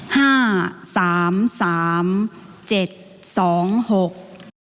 ห้าสามสามเจ็ดสองหก